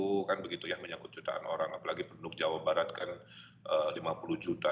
karena itu kan begitu yang menyangkut jutaan orang apalagi penduduk jawa barat kan lima puluh juta